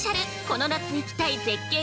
この夏行きたい絶景